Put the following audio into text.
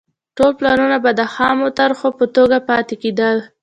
ټول پلانونه به د خامو طرحو په توګه پاتې کېدل.